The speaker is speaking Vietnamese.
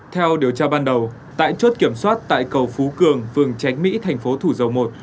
theo điều tra ban đầu tại chốt kiểm soát tại cầu phú cường phường tránh mỹ thành phố thủ dầu một